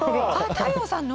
太陽さんの？